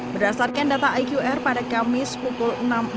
berdasarkan data iqr pada kamis pukul enam empat puluh